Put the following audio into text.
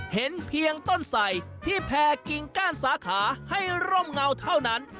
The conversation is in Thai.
เห็นเพียงต้นใส่ที่แพรกิ่งก้านสาขาให้ร่มเงาเท่านั้น